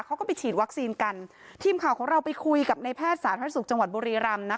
เขาก็ไปฉีดวัคซีนกันทีมข่าวของเราไปคุยกับในแพทย์สาธารณสุขจังหวัดบุรีรำนะคะ